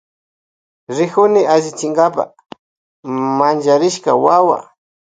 Rikuni allichinkapa mancharishka wawa.